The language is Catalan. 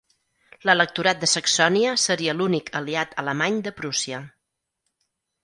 L'electorat de Saxònia seria l'únic aliat alemany de Prússia.